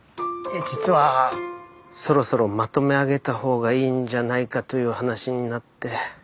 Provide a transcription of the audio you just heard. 実はそろそろまとめ上げたほうがいいんじゃないかという話になって。